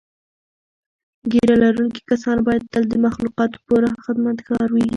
ږیره لرونکي کسان باید تل د مخلوقاتو پوره خدمتګار وي.